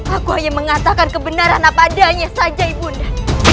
aku hanya mengatakan kebenaran apadanya saja ibu nda